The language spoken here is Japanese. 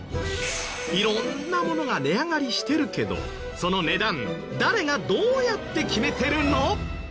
色んなものが値上がりしてるけどその値段誰がどうやって決めてるの？